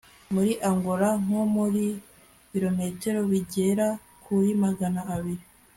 muri angola nko mu birometero bigera kuri magana abiri